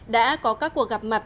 đã có các cuộc gặp mặt